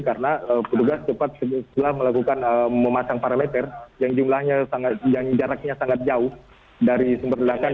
karena pedugas cepat setelah melakukan memasang parameter yang jumlahnya sangat yang jaraknya sangat jauh dari sumber ledakan